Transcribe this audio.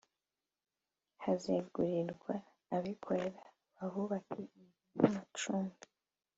hazegurirwa abikorera bahubake inzu z’amacumbi